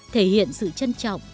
thể hiện sự trân trọng